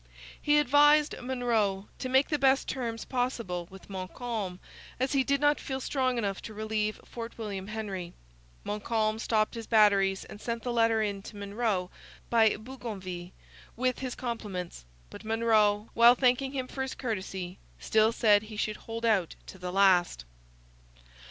He advised Monro to make the best terms possible with Montcalm, as he did not feel strong enough to relieve Fort William Henry. Montcalm stopped his batteries and sent the letter in to Monro by Bougainville, with his compliments. But Monro, while thanking him for his courtesy, still said he should hold out to the last.